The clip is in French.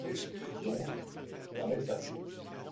Donc, va mettre ta petite veste.